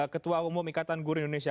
ketua umum ikatan guru indonesia